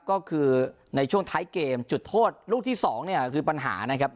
ก็คือในช่วงท้ายเกมจุดโทษลูกที่สองเนี่ยคือปัญหานะครับ